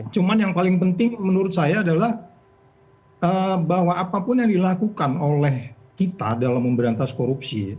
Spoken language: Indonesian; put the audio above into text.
cuman yang paling penting menurut saya adalah bahwa apapun yang dilakukan oleh kita dalam memberantas korupsi